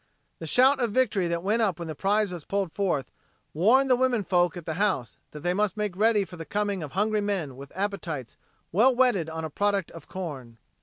The shout of victory that went up when the prize was pulled forth warned the women folk at the house that they must make ready for the coming of hungry men with appetites well whetted on a product of corn.